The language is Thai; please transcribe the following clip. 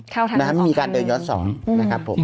เข้าทางหนึ่งนะครับมีการเดินย้อนสองนะครับผม